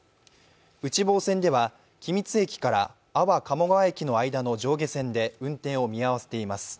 内房線では君津駅から安房鴨川駅の上下線で運転を見合わせています。